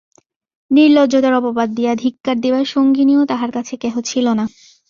নির্লজ্জতার অপবাদ দিয়া ধিক্কার দিবার সঙ্গিনীও তাহার কাছে কেহ ছিল না।